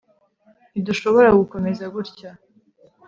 ntidushobora gukomeza gutya